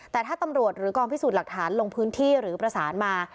แต่ถ้าตำรวจหรือกองพิสูจน์หลักฐานลงพื้นที่หรือประสานมา